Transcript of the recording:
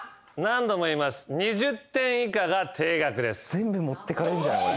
全部持ってかれんじゃないこれ。